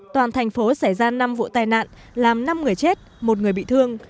toàn thành phố xảy ra năm vụ tai nạn làm năm người chết một người bị thương